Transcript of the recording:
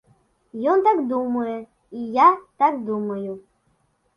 Ён так думае, і я так думаю.